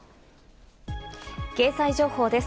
経済情報です。